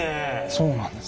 そうなんですよ。